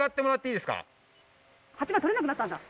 ８番取れなくなったんだ。